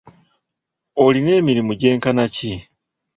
Olina emirimu gyenkana ki?